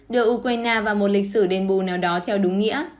đưa ukraine vào một lịch sử đền bù nào đó theo đúng nghĩa